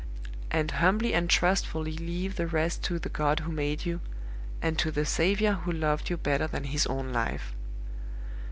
And humbly and trustfully leave the rest to the God who made you, and to the Saviour who loved you better than his own life.